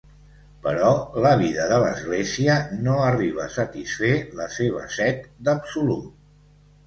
Però la vida de l'Església no arriba a satisfer la seva set d'absolut.